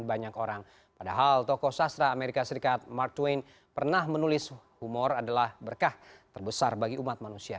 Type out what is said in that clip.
banyak orang padahal tokoh sastra amerika serikat mark twin pernah menulis humor adalah berkah terbesar bagi umat manusia